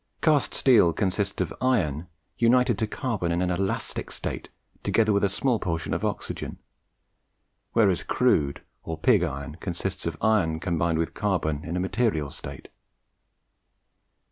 Cast steel consists of iron united to carbon in an elastic state together with a small portion of oxygen; whereas crude or pig iron consists of iron combined with carbon in a material state.